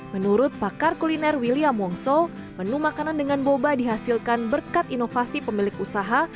menurut pakar kuliner william wongso menu makanan dengan boba dihasilkan berkat inovasi pemilik usaha